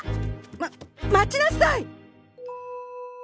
まっ待ちなさい！